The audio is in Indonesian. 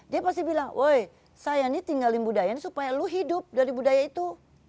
dia pasti bilang woy saya ini tinggalin budaya ini supaya lu hidup dari budaya itu